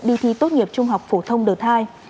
đi thi tốt nghiệp trung học phổ thông đợt hai